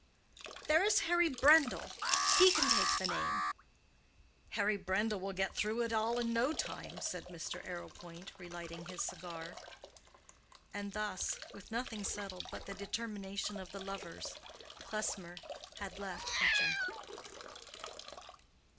"There is Harry Brendall. He can take the name." "Harry Brendall will get through it all in no time," said Mr. Arrowpoint, relighting his cigar. And thus, with nothing settled but the determination of the lovers, Klesmer had left Quetcham.